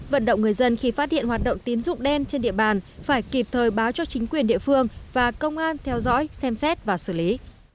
vận động người dân khi phát hiện hoạt động tín dụng đen trên địa bàn phải kịp thời báo cho chính quyền địa phương và công an theo dõi xem xét và xử lý